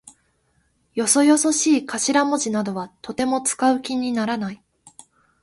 よそよそしい頭文字かしらもじなどはとても使う気にならない。